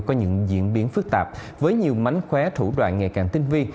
có những diễn biến phức tạp với nhiều mánh khóe thủ đoạn ngày càng tinh vi